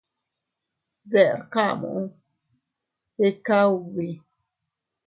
Deʼr kamu, ikka ubi.